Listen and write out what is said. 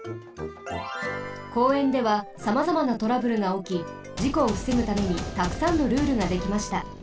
公園ではさまざまなトラブルがおきじこをふせぐためにたくさんのルールができました。